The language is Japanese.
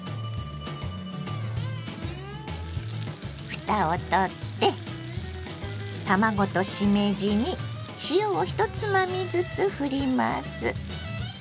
ふたをとって卵としめじに塩を１つまみずつふります。